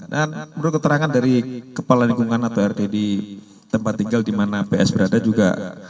dan menurut keterangan dari kepala lingkungan atau rd di tempat tinggal di mana ps berada juga